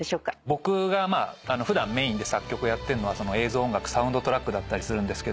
僕が普段メインで作曲をやってるのは映像音楽サウンドトラックだったりするんですけども。